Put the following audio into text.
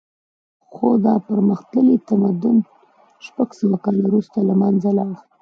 خو دا پرمختللی تمدن شپږ سوه کاله وروسته له منځه لاړ